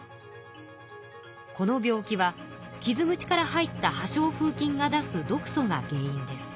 この病気は傷口から入った破傷風菌が出す毒素が原因です。